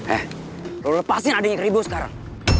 eh lo lepasin adiknya kribo sekarang